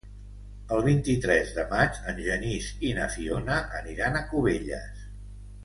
El vint-i-tres de maig en Genís i na Fiona aniran a Cubelles.